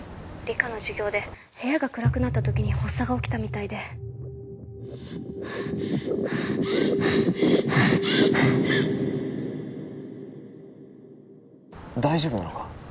☎理科の授業で部屋が暗くなった時に発作が起きたみたいで大丈夫なのか？